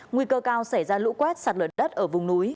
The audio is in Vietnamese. nguy cơ cao xảy ra lũ quét sạt lở đất ở vùng núi